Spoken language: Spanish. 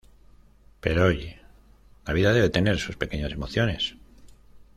Pero oye, la vida debe tener sus pequeñas emociones!